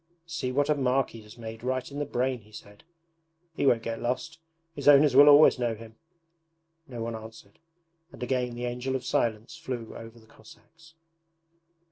'See what a mark he has made right in the brain,' he said. 'He won't get lost. His owners will always know him!' No one answered, and again the Angel of Silence flew over the Cossacks.